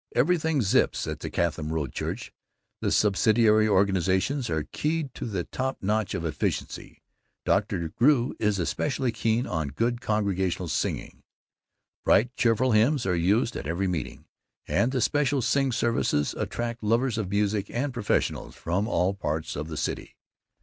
Everything zips at the Chatham Road Church. The subsidiary organizations are keyed to the top notch of efficiency. Dr. Drew is especially keen on good congregational singing. Bright cheerful hymns are used at every meeting, and the special Sing Services attract lovers of music and professionals from all parts of the city.